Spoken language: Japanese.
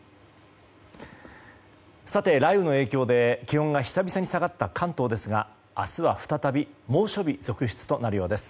さて、雷雨の影響で気温が久々に下がった関東ですが明日は再び猛暑日続出となるそうです。